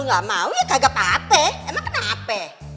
enggak mau ya kagak pate enak hp